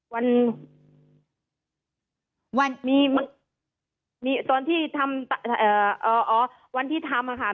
วันวันมีมีตอนที่ทำเอ่ออ๋อวันที่ทำค่ะ